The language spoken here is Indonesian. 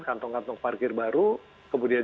kantong kantong parkir baru kemudian